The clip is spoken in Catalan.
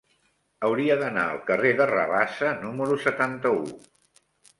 Hauria d'anar al carrer de Rabassa número setanta-u.